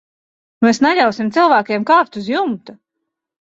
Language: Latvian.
Mēs neļausim cilvēkam kāpt uz jumta.